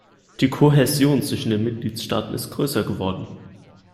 Die Kohäsion zwischen den Mitgliedstaaten ist größer geworden.